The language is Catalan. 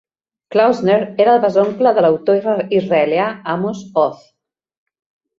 Klausner era el besoncle de l'autor israelià Amos Oz.